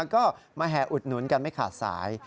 ก็มาแห่อุดหนุนกันไม่ขาดสาย